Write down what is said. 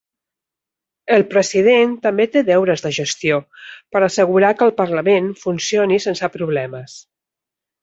El president també té deures de gestió per assegurar que el Parlament funcioni sense problemes.